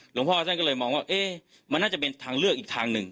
หลวงพ่อท่านก็เลยมองว่ามันน่าจะเป็นทางเลือกอีกทางหนึ่ง